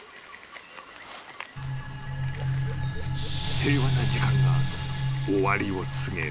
［平和な時間が終わりを告げる］